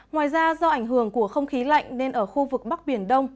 ngoài ra do ảnh hưởng của không khí lạnh nên ở khu vực bắc biển đông